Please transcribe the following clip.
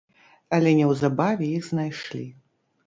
Але неўзабаве іх знайшлі.